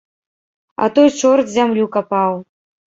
А той чорт зямлю капаў.